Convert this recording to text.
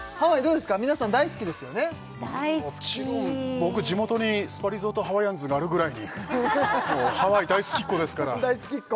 僕地元にスパリゾートハワイアンズがあるぐらいにもうハワイ大好きっ子ですから大好きっ子？